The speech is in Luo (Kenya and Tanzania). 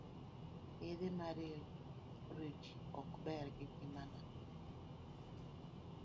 Yedhe maeroji ok ber gi ngimana.